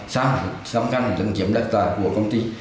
xám khăn dân kiếm đặc tài của công ty